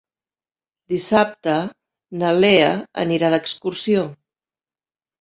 Dissabte na Lea anirà d'excursió.